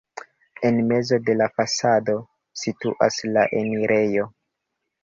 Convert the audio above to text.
En mezo de la fasado situas la enirejo.